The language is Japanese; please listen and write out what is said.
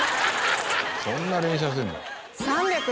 そんな連写するの？